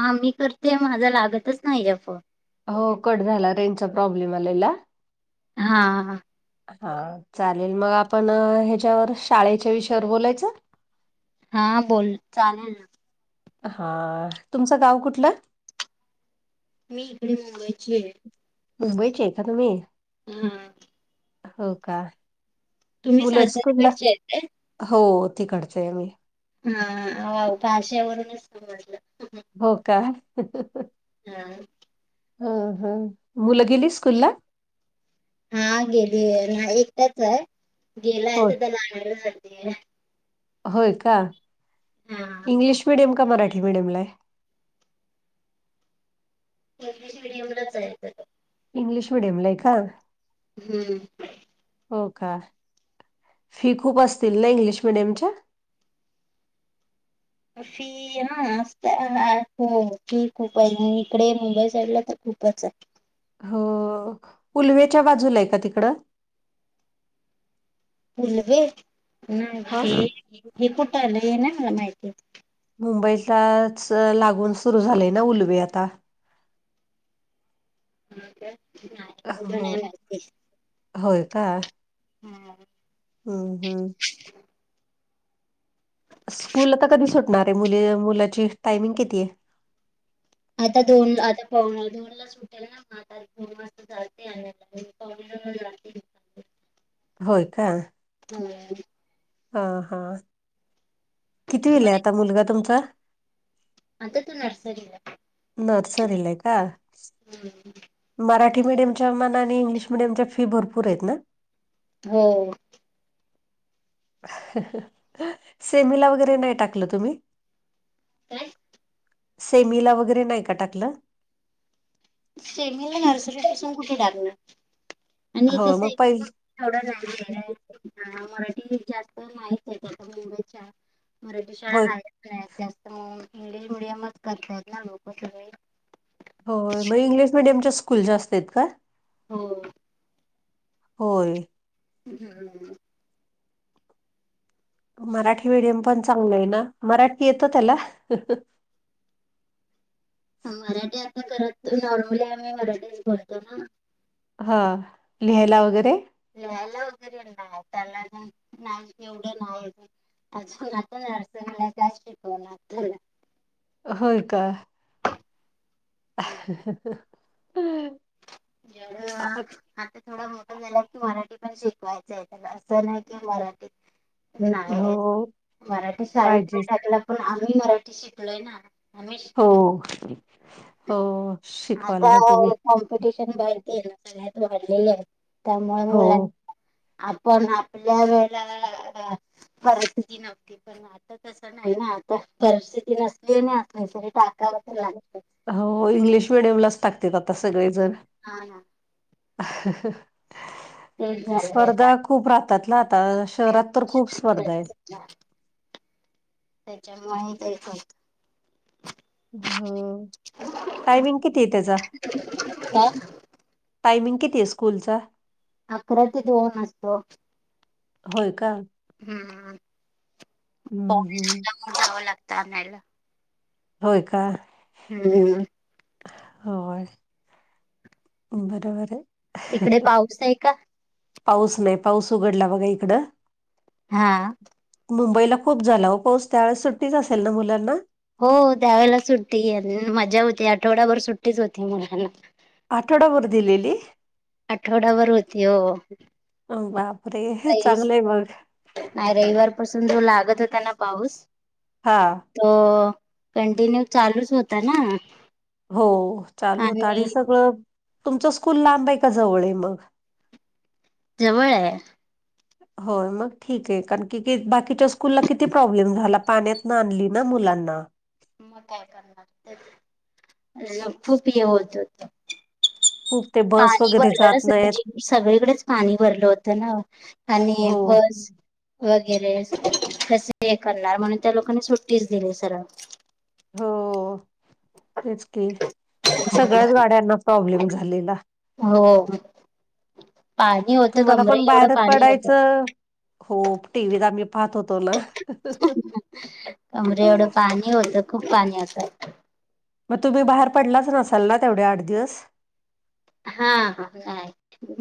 हा मी करते माझा लागतच नाही र फन हो कड झाला रेंजचा प्रॉब्लेम आलेला. हा. हा चालेल मग आपण ह्याच्यावर शाळेच्या विषयावर बोलायचं. हा बोल चालेल. हा तुमचं गाव कुठलं. मी इकडे मुंबईची आहे. मुंबईची आहे का तुम्ही. हम्. हो का तुम्ही मुलं स्कूलला सातारकडचे आहेत हो तिकडचय मी. हा भाषेवरूनच समजलं. हो का. हम्. अ मुलं गेली स्कूलला. हा गेली ना एकटाच आहे गेलाय हो तर त्या लागायला स. होय का हा इंग्लिश मिडियम का मराठी मिडियम ला. इंग्लिश मिीडयमच आहेय. इंग्लिश मिडियमला आहे का. हम्म. हो का फी खूप असतील ना इंग्लिश मिडियमच्या. अशी. त हो की खूप आहे इकडे मुंबई साईड ला तर खूपच आहे. हो उलवेच्या बाजूला आहे का तिकडं. फलवे ना हे हा. हे कुठं आलं हे ना मला माहिती आहे. मुंबईलाच लागून सुरू झालंय ना उलवे आता. हो का. हो होय का. हम्. हम हम्. स्कूल आता कधी सुटणार आहे मुली मुलाची टायमिंग किती आहे. आता दोन आता. पव धोनला सुटेला ना मस्तेव. होय का. हम्. हा हा किती वेला आहे आता मुलगा तुमचा. आता तु नर्सरी आहे. नर्सरीलाय का. ह. मराठी मिडियमच्या मानाने आणि इंग्लिश मिडियमच्या फी भरपूर आहेत ना? हो. सेमिला वगैरे नाही टाकलं तुम्ही? काय? सेमिला वगैरे नाही का टाकलं? सेमीला नर्सरीपसून कुठे टाकणार? आणि हो तस मग पहिली [unintelligible] हा मराठी जास्त माहित आहे मुंबईच्या, मराठी शाळा होय हा नाही जास्त मग, इंग्लिश मिडियमच करतात ना लोक सगळे. होय, मग इंग्लिश मिडियमच्या स्कूल जास्त आहेत का? हो. होय. हम्म. मराठी मीडियम पण चांगलं आहे ना. मराठी येतं त्याला? मराठी आता खर तर, नॉर्मली आम्ही मराठीच बोलतो ना. हा, लिहायला वगैरे? लिहायला वगैरे नाही. त्याला आजुन [unintelligible] एवढं नाही येत. अजून आता नर्सरीलाय काय शिकवणार त्याला. होय काय? [inaudible] [unintelligible] आ- आता थोडा मोठ झाला की मराठी पण शिकवायचं आहे त्याला, असं नाही की मराठीत नाही हो येत. मराठी शाळेत पाहिजे नई टाकला पण, आम्ही मराठी शिकलोय ना. आम्ही शिकलो हो, हो. शिकवाल आता ना तुम्ही कॉम्पिटिशन वाढतेय ना, सगळ्यात वाढलेलय. त्यामुळ हो मुला आपण आपल्या वेळेला परिस्थिती नव्हती, पण आता तसं नाही ना, आता परिस्थिती नसली आणि असल्या तरी टाकावं तर लागतंच्. हो इंग्लिश मिडियमलाच टाकतेत आता सगळे जण. हा हा. [inaudible] तेच झालं स्पर्धा खूप राहतात ना आता, शहरात तर खूप स्पर्धा आहेत. त्याच्यामुळे ते एक होत. हो, टायमिंग कितीय त्याचा? काय टायमिंग कितीय स्कूलचा? अकरा ते दोन असतो, होय का हम्म. [unintelligible] हम्म हम्म जावं लागतं आणायला. होय का? हम्म. होय. बरोबरय. तिकडे पाऊस आहे का? पाऊस नाही, पाऊस उघडला बघा इकडं. हा. मुंबईला खूप झाला हो पाऊस त्या वेळेस सुट्टीच असेल ना मुलांना? हो त्यावेेळेला सुट्टी, मजा होती. आठवडाभर सुट्टीच होती मुलांना. आठवडा भर दिलेली? आठवडाभर होती हो बापरे! काही चांगलय मग. नाही रविवार पाासून जो लागत होताना पाऊस हां. त कंटिन्यू चालूच होता ना हो चालू तर आणि सगळं तुमचं स्कूल लांब आहे का जवळ आहे मग जवळ आहे हो मग ठीक आहे कारण क बाकीच्या स्कूलला किती प्रॉब्लेम झाला पाण्यात नानली ना मुलांना.. मग काय करणार खूप हे होत होते खूप ते बस पाणी वगैरे भरलं ना जात नाहीत स सगळीकडेच पाणी भरलं होतं ना आणि हो बस वगैरे कसे हे करणार म्हणून त्या लोकांनी सुट्टीच दिली सरळ. हो तेच की सगळ्याच गाड्यांना प्रॉब्लेम झालेला हो पा तुम्हाला पण बाहेर पडायचं हो टीव्हीत आम्ही पाहत होतो ना कमरे एवढं पाणी होतं खूप पाणी असं मग तुम्ही बाहेर पडलाच नसाल ना तेवढे आठ दिवस हा हाय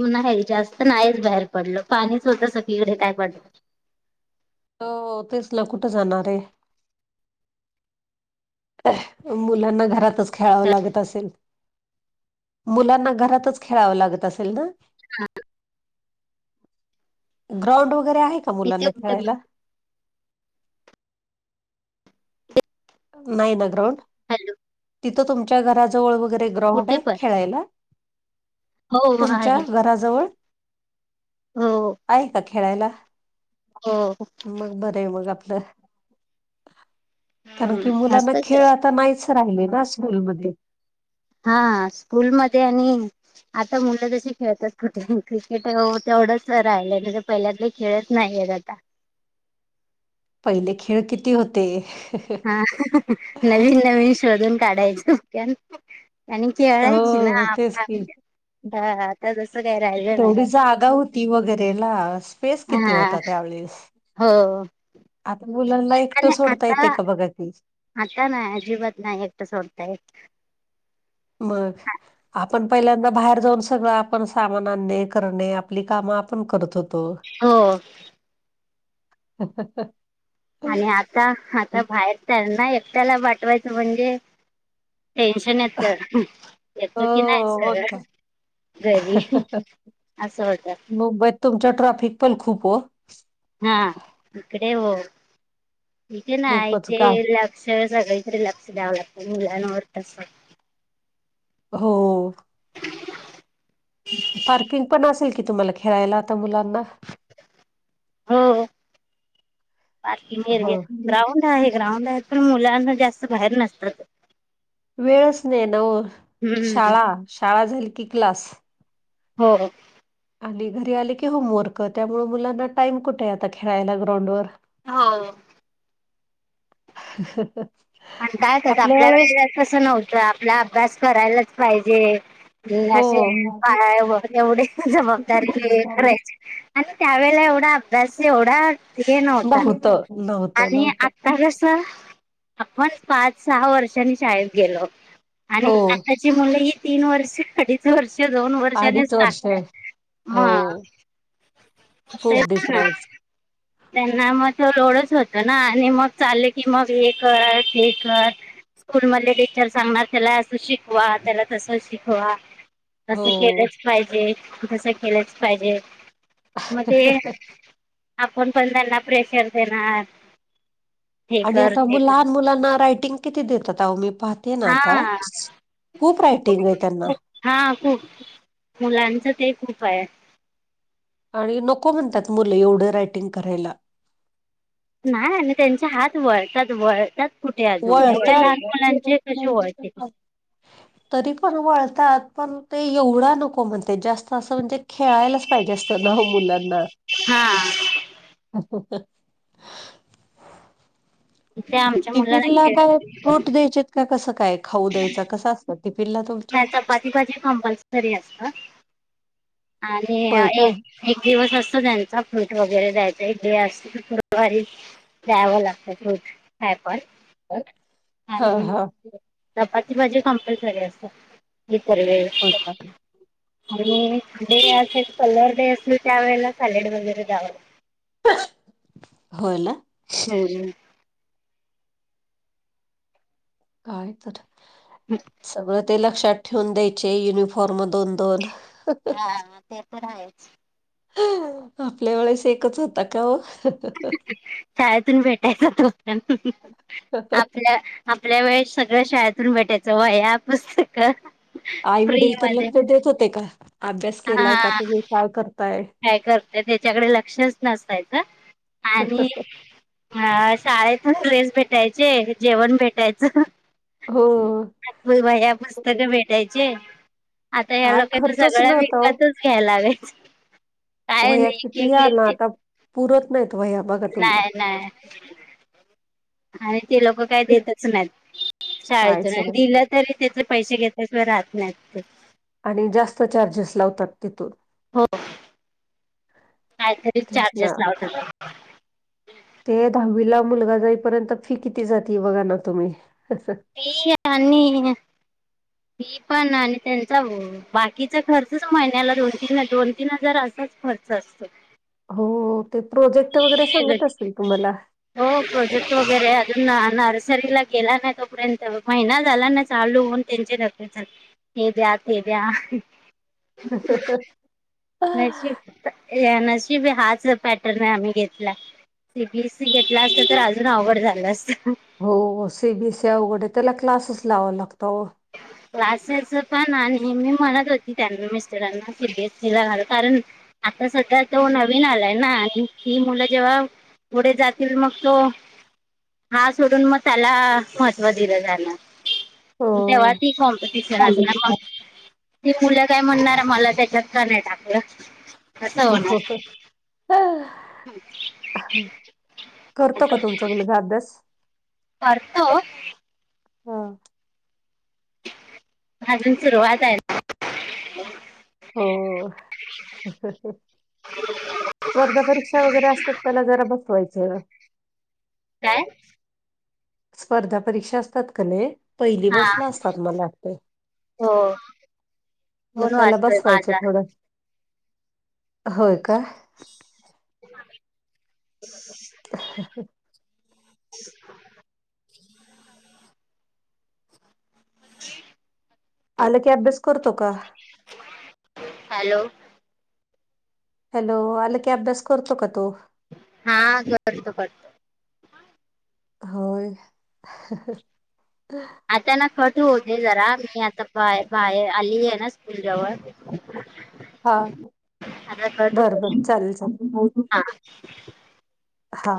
नाही जास्त नाहीच बाहेर पडलं पाणीच होतं सगळीकडे काय पडलं त तेचला कुठे जाणार आहे मुलांना घरातच खेळावं लागत असेल मुलांना घरातच खेळावं लागत असेल ना ह ग्राउंड वगैरे आहे का इथे मुलांना कुठे खेळायला नायना ग्रउंड हॅलो तिथं तुमच्या घराजवळ वगैरे ग्राउंड कुठे आहे पण खेळायला हो तुमच्या आहे घराजवळ हो आहे का खेळायला हो मग बरं आहे मग आपलं कारण की मुलांना मस्त खेळ आता नाहीच राहिले ना स्कूलमध्ये. हा स्कूलमध्ये आणि आता मुलं तशी खेळतात कुठे क्रिकेट तेवढंच राहिलंय त पहिल्यातले खेळत नाही मग आता. पहिले खेळ किती होते? नवीन नवीन शोधून काढायचं आणि खेळायची हो ना तेच [unintelligible] की आता जसं काही राहिलं नाही तेवढी जागा होती वगैरेला स्पेस किती हा होता त्यावेळेस हो आता मुलांना एकटं आणि सोडता येते आता का बघा की? आता ना अजिबात नाही एकट सोडता येतं. मग आपण पहिल्यांदा बाहेर जाऊन सगळं आपण सामान आणणे, करणे आपली कामं आपण करत होतो. हो तर हाहाहा आणि आता आता बाहेर तर ना एकट्याला पाठवायचं म्हणजे टेन्शन येत. हो येतो की नाही मग सरळ. काय घरी असं होत. मुंबईत तुमच्या ट्राफिक पण खूप हो हा इकडे हो. इथे ना खूपच इथे का शेजारी असले तरी लक्ष द्याव लागतंय मुलांवर. हो. पार्किंग पण असेल कि तुम्हाला खेळायला आता मुलांना. हो पार्किंग हो एरिया. ग्राउंड आहे ग्राउंड आहे पण मुलांना जास्त बाहेर नसतात. वेळच नाही ना ओ हम्म शाळा, शाळा झाली की क्लास. हो. आणि घरी आले की होमवर्क त्यामुळ मुलांना टाइम कुठे आहे आता खेळायला ग्राउंडवर. हो. हहह पण काय तर आपल्या वेळेला तस नव्हतं. ह हो. असे एवढे जबाबदारी करायची. आणि त्यावेेळेला एवढा अभ्यास एवढा हे नव्हता. नव्हतं. नव्हतं. आणि नव्हतं. आता कस? आपण पाच सहा वर्षांनी शाळेत गेलोत. आणि हो आताची मुलं ही तीन वर्ष आधीच वर्ष, दोन वर्षानीच अडीच वर्ष टाकता हो मग खूप तेच ना. डिफरन्स त्यांना मग त लोडच होत ना आणि मग चालल की मग हे कर. स्कूल मधले टीचर सांगणार त्याला असं शिकवा त्याला तस शिकवा. हो कसं केलंच पाहिजे? कस केलंच पाहिजे मग कोण पण त्यांना प्रेशर देणार? हे आणि कर आता ते कर लहान मुलांना रायटिंग किती देतात? आहो मी पाहते ना आता. हा खूप रायटिंग आहे त्यांना. हा खूप मुलांचं ते खूप आहे. आणि नको म्हणतात मुलं एवढं रायटिंग करायला. नाही आणि त्यांचे हात वळतात, वळतात. कुठे अजून एवढ्या वळतात. लहान मुलांचे कसे वळते तरी पण वळतात पण ते एवढा नको म्हणते जास्त असं म्हणजे खेळायलाच पाहिजे असतं ना हो मुलांना. हा असो. ते आमच्या टिफिनला मुलांना काय फ्रुट द्यायचे का? कसं काय खाऊ द्यायच कसं? नाही. चपाती भाजी कमपलसरी असत. आणि होय का? एक एक दिवस असत त्यांचा फ्रूट वगैरे द्यायचा एक डे असतो वारी दवं लागतं रूट काय पण हा आणि हा चपाती भाजी कंपलसरी असत इ व हो का आणि डे असे पलर डे असेल त्यावेेळेला सॅलेड वगैरे जावं होला हम् काय तर सगळं ते लक्षात ठेवून द्यायचे युनिफॉर्म दोन दोन हा ते पण आहेच आपल्या वेळेस एकच होता का हो शाळेतून भेटायचा तो पण आपल्या आपल्या वेळेस सगळं शाळेतून भेटायचं वया पुस्तकं फ्री आईवडील तर मध्ये लग ते देत होते का अभ्यास हा केलाय का तुम् काय करताय काय करते त्याच्याकडे लक्षच नसतायचं आणि हा शाळेतून ड्रेस भेटायचे जेवण भेटायचं हो. भाईया पुस्तक भेटायचे आता या काय लोकांना खर्चच सगळं नव्हता ओ विकतच घ्यायला हव वया किती या ना आता पुरत नाहीत वया बघा तुम्ही नाही नाही. आणि ते लोक काय देतच नाहीत शाळेतून कायच आणि नाही दिलं तरी त्याच पैसे घेतल्याशिवाय राहत नाही. आणि जास्त चार्जेस लावतात तिथून हो. ह. काहीतरी चार्जेस लावत. [unintelligible] ते दहावीला मुलगा जाईपर्यंत फी किती जाते बघा ना तुम्ही? त आणि पी पण आणि त्यांचा ब बाकीचा खर्चच महिन्याला दोन तीन दोन तीन हजार असाच खर्च असतो. हो ते प्रोजेक्ट वगैरे वेगळं सांगत असेतील तुम्हाला हो प्रोजेक्ट वगैरे अजून नर्सरीला गेला ना तोपर्यंत महिना झाला ना. चालू त्यांचे न हे द्या हे द्या. ह. नशीब नशीब हाच पॅटर्न आहे आम्ही घेतला. सीबीएससी घेतला असत तर अजून ऑवड झालं असत हो सीबीएस वगरे त्याला क्लासेस लावा लागत. क्लासेच पण आणि मी म्हणत होती त्यांना मिस्टरांना सी बीएस सी ला घाल कारण आता सध्या तो नवीन आलाय ना ही मुलं जेव्हा पुढे जातील मग तो हा सोडून मग त्याला महत्त्व दिलं जालं. ओ तेवती अ कॉम्पिटिशनम्श क मुलं काय म्हणणार मला त्याच्यात का नाही टाकलं. कसं हो हो होणार हो ह. करतो का तुमचा मुलगा अभ्यास वरत अजून सुरुवात आहे. हो. स्पर्धा परीक्षा वगैरे असतात त्याला जरा बसवायचं. काय? स्पर्धा परीक्षा असतात का नाही. पहिली हा बसला असतात मला ते हो मग फोन त्याला वाजतोय बसवायचं माझा थोडं होय का? [unintelligible] [unintelligible] आलं की अभ्यास करतो का? हॅलो. हॅलो आलं की अभ्यास करतो का तू? हा करतो करतो. होय. आता ना खट होते जरा मी आता बाय बाहेर आली आहे ना स्कूल जवळ [unintelligible] हा आता कट बरं होऊ दे बर चालेल हा चालेल. हा.